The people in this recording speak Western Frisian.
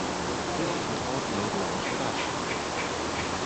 Dit is in âld Nederlânsk ras.